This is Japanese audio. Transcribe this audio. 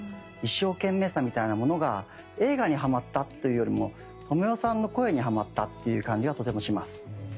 一生懸命さみたいなものが映画にはまったというよりも知世さんの声にはまったっていう感じがとてもします。